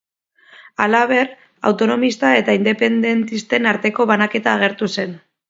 Halaber, autonomista eta independentisten arteko banaketa agertu zen.